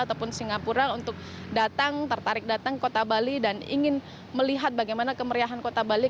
ataupun singapura untuk datang tertarik datang ke kota bali dan ingin melihat bagaimana kemeriahan kota bali